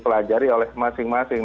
dikelajari oleh masing masing